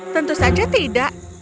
tentu saja tidak